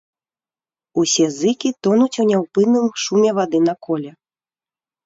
Усе зыкі тонуць у няўпынным шуме вады на коле.